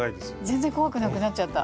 全然怖くなくなっちゃった。